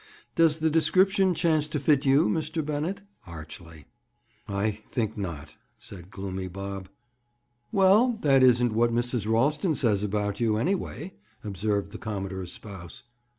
Does the description chance to fit you, Mr. Bennett?" Archly. "I think not," said gloomy Bob. "Well, that isn't what Mrs. Ralston says about you, anyway," observed the commodore's spouse.